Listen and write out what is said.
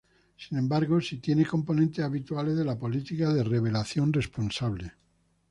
Sin embargo si tiene componentes habituales de la política de revelación responsable.